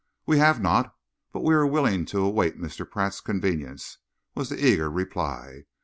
"We have not, but we are willing to await Mr. Pratt's convenience," was the eager reply.